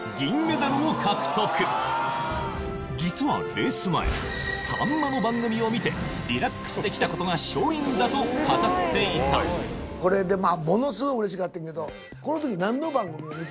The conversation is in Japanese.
実はレース前さんまの番組を見てリラックスできたことが勝因だと語っていたこれものすごいうれしかってんけど。